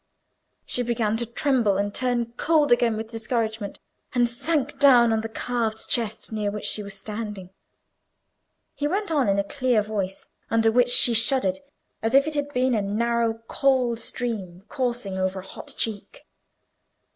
She began to tremble and turn cold again with discouragement, and sank down on the carved chest near which she was standing. He went on in a clear voice, under which she shuddered, as if it had been a narrow cold stream coursing over a hot cheek.